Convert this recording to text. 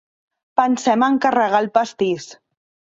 Pensem a encarregar el pastís.